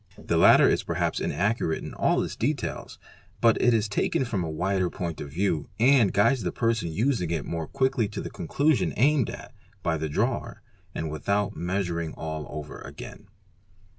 The latter is perhaps inaccurate in all its details, but it is taken from a wider point of view and guides the person using it more quickly to the conclu sion aimed at by the drawer and without measuring all over again.